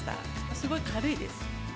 すごい軽いです。